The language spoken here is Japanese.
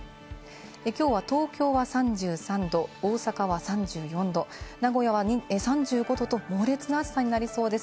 きょうは東京は３３度、大阪は３４度、名古屋は３５度と猛烈な暑さになりそうです。